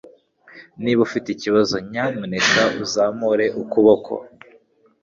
Niba ufite ikibazo, nyamuneka uzamure ukuboko.